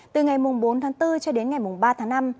từ ngày bốn tháng bốn cho đến ngày ba tháng năm